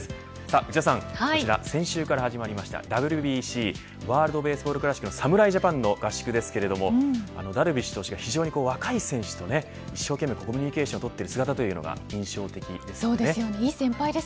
内田さん、こちら先週から始まったＷＢＣワールドベースボールクラシックの侍ジャパンの合宿ですがダルビッシュ投手が若い選手とコミュニケーションを取っている姿が印象的です。